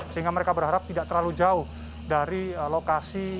sehingga mereka berharap tidak terlalu jauh dari lokasi